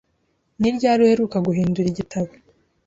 Ni ryari uheruka guhindura igitabo?